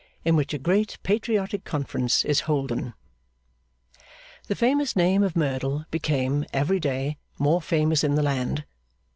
In which a Great Patriotic Conference is holden The famous name of Merdle became, every day, more famous in the land.